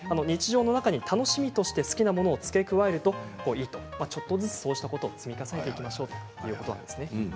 日常の中に楽しみとして好きなものを付け加えるといいとちょっとずつそういうことを積み重ねていきましょうということなんです。